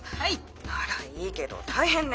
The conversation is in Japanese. ならいいけど大変ね。